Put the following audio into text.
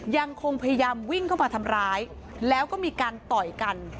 ยังคงพยายามวิ่งเข้ามาทำร้ายแล้วก็มีการต่อยกัน